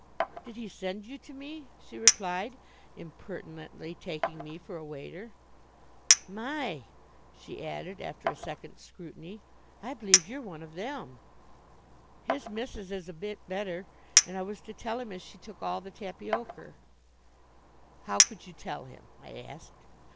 "Did he send you to me?" she replied, impertinently taking me for a waiter. "My!" she added, after a second scrutiny, "I b'lieve you're one of them. His missis is a bit better, and I was to tell him as she took all the tapiocar." "How could you tell him?" I asked.